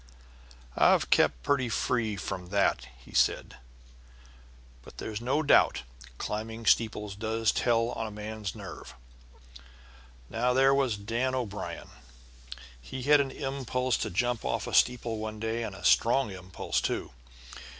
"I've kept pretty free from that," said he; "but there's no doubt climbing steeples does tell on a man's nerves. Now, there was Dan O'Brien; he had an impulse to jump off a steeple one day, and a strong impulse, too.